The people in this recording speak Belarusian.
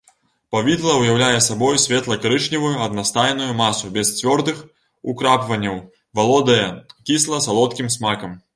Павідла ўяўляе сабой светла-карычневую аднастайную масу без цвёрдых украпванняў, валодае кісла-салодкім смакам.